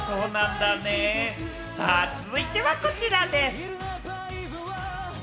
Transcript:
続いてはこちらです。